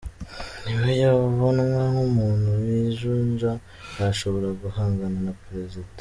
Niwe yabonwa nk'umuntu w'ijunja yashobora guhangana na Prezida.